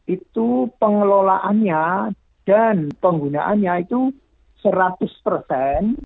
itu pengelolaannya dan penggunaannya itu seratus untuk penelitian kepala desa